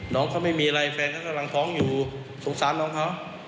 น้องเขาไม่มีอะไรแฟนเขากำลังท้องอยู่สงสารน้องเขา